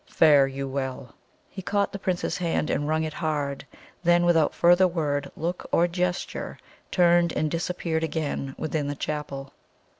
Fare you well!" He caught the Prince's hand, and wrung it hard; then, without further word, look, or gesture, turned and disappeared again within the chapel.